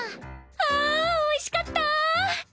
ああおいしかったぁ。